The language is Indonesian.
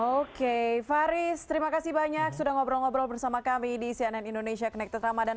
oke faris terima kasih banyak sudah ngobrol ngobrol bersama kami di cnn indonesia connected ramadhan